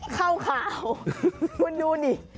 ข้าวขาวคุณดูนี่